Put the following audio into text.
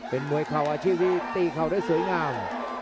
เป็นมวยเข่าอาชีพที่ตีเข่าได้สวยงาม